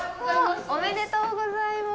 おめでとうございます。